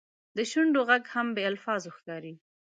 د شونډو ږغ هم بې الفاظو ښکاري.